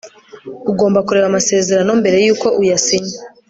ugomba kureba amasezerano mbere yuko uyasinya